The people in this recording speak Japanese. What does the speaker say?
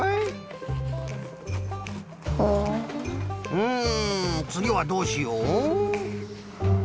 うんつぎはどうしよう。